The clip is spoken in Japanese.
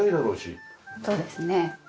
そうですね。